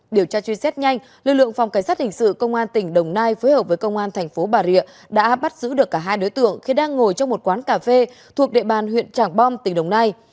điều tra truy xét nhanh lực lượng phòng cảnh sát hình sự công an tỉnh đồng nai phối hợp với công an thành phố bà rịa đã bắt giữ được cả hai đối tượng khi đang ngồi trong một quán cà phê thuộc địa bàn huyện trảng bom tỉnh đồng nai